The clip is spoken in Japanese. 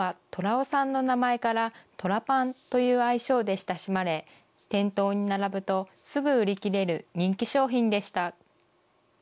パンは虎雄さんの名前から、とらパンという愛称で親しまれ、店頭に並ぶとすぐ売り切れる人気商品でした。